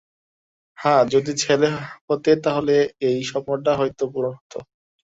হ্যাঁ, যদি ছেলে হতে তাহলে এই স্বপ্নটা হয়তো পূরণ হতো।